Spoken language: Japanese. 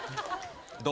どう？